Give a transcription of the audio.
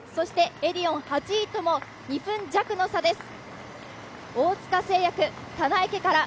エディオン８位とも２分弱の差です。